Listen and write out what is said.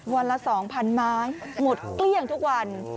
วันละ๒๐๐๐ไม้หมดเกลี้ยงทุกวัน